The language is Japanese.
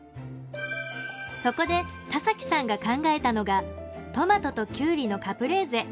そこで田崎さんが考えたのがトマトとキュウリのカプレーゼ。